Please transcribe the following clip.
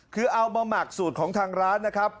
คือเอามาหมักสูตรของทางร้านนะครับ